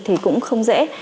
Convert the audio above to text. thì cũng không dễ